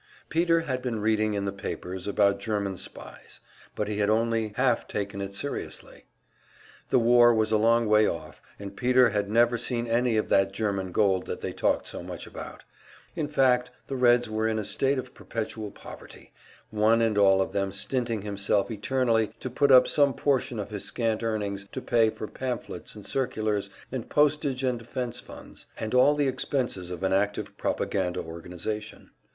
Peter had been reading in the papers about German spies, but he had only half taken it seriously; the war was a long way off, and Peter had never seen any of that German gold that they talked so much about in fact, the Reds were in a state of perpetual poverty, one and all of them stinting himself eternally to put up some portion of his scant earnings to pay for pamphlets and circulars and postage and defence funds, and all the expenses of an active propaganda organization.